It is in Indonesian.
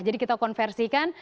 jadi kita konversikan